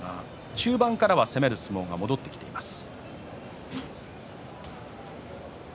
中盤からは攻める相撲が戻ってきています。